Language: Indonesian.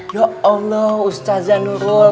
ya allah ustazah nurul